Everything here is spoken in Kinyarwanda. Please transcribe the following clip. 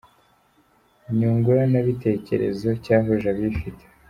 Nyunguranabitekerezo cyahuje abafite.